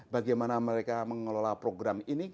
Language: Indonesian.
bagaimana mereka mengelola program ini